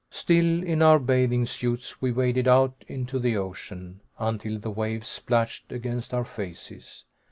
Still in our bathing suits we waded out into the ocean, until the waves splashed against our faces.